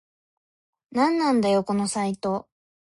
なんなんだよこのサイト